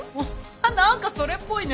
何かそれっぽいね！